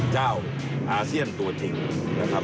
เจ้าอาเซียนตัวถิ่งนะครับ